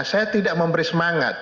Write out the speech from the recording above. saya tidak memberi semangat